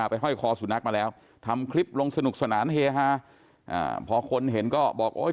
ห้อยคอสุนัขมาแล้วทำคลิปลงสนุกสนานเฮฮาอ่าพอคนเห็นก็บอกโอ้ย